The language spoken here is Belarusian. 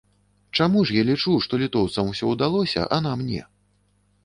Чаму ж я лічу, што літоўцам усё удалося, а нам не?